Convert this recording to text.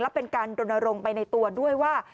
และเป็นการรณรงค์ไปในตัวด้วยว่า